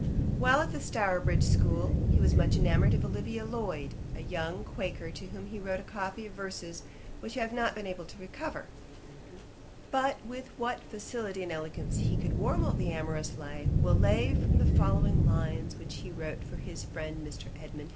When at Stourbridge school, he was much enamoured of Olivia Lloyd, a young quaker, to whom he wrote a copy of verses, which I have not been able to recover; but with what facility and elegance he could warble the amorous lay, will appear from the following lines which he wrote for his friend Mr. Edmund Hector.